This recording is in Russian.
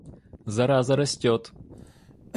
Зараза растет.